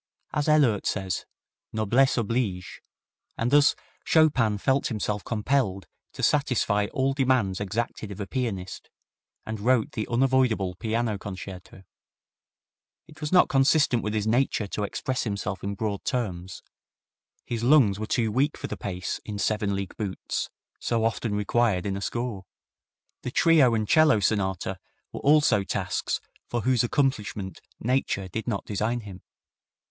As Ehlert says, "Noblesse oblige and thus Chopin felt himself compelled to satisfy all demands exacted of a pianist, and wrote the unavoidable piano concerto. It was not consistent with his nature to express himself in broad terms. His lungs were too weak for the pace in seven league boots, so often required in a score. The trio and 'cello sonata were also tasks for whose accomplishment Nature did not design him.